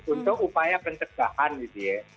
untuk upaya pencegahan gitu ya